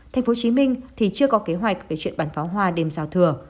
thành phố chí minh thì chưa có kế hoạch về chuyện bắn pháo hoa đêm giao thừa